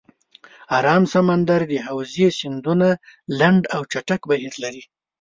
آرام سمندر د حوزې سیندونه لنډ او چټک بهیر لري.